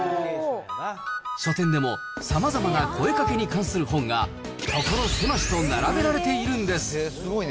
書店でも、さまざまな声かけに関する本が、所狭しと並べられているんです。